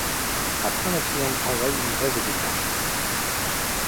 Après un accident du travail, une grève est déclenchée.